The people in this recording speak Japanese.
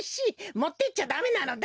もっていっちゃだめなのだ。